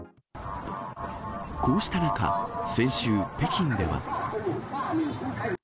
こうした中、先週、北京では。